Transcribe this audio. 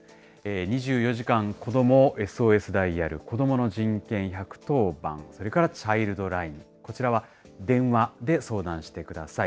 ２４時間子供ＳＯＳダイヤル、子どもの人権１１０番、それからチャイルドライン、こちらは電話で相談してください。